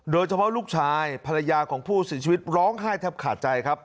โดยเฉพาะลูกชายภรรยาของผู้สินชีวิตร้องไห้แทบขาดใจครับ